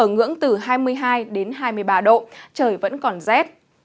ngưỡng từ hai mươi hai đến hai mươi ba độ trời vẫn còn rét